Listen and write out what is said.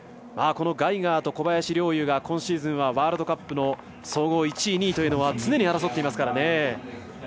ガイガーと小林陵侑が今シーズン、ワールドカップの総合１位、２位というのは常に争っていますからね。